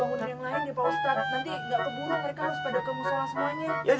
kayaknya saya harus bangunin yang lain deh pak ustadz